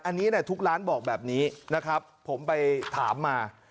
อันนี้ทุกร้านบอกแบบนี้นะครับผมไปถามมา